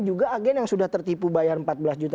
juga agen yang sudah tertipu bayar rp empat belas tiga ratus